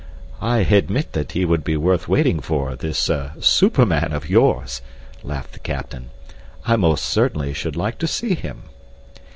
"I admit that he would be worth waiting for, this superman of yours," laughed the captain. "I most certainly should like to see him."